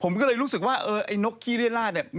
ผมก็เลยรู้สึกว่าเออไอ้นกขี้เรียราชเนี่ย